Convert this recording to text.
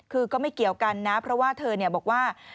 คือก็ไม่เกี่ยวกันนะเพราะว่าเธอบอกว่า